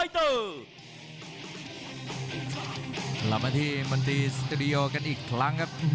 กลับมาที่มนตรีสตูดิโอกันอีกครั้งครับ